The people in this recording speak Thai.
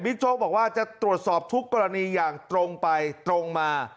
โจ๊กบอกว่าจะตรวจสอบทุกกรณีอย่างตรงไปตรงมา